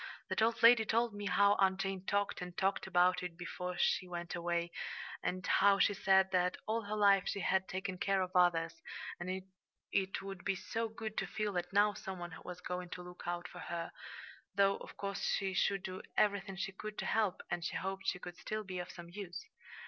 "That old lady told me how Aunt Jane talked and talked about it before she went away, and how she said that all her life she had taken care of others, and it would be so good to feel that now some one was going to look out for her, though, of course, she should do everything she could to help, and she hoped she could still be of some use."